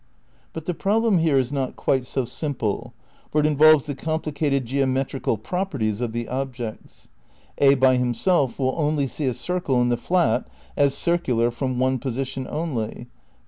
But the problem here is not quite so simple. For it involves the complicated geometrical properties of the objects. A by himself will only see a circle in the flat as circular from one position only.